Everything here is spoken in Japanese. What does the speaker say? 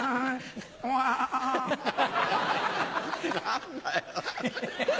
何だよ。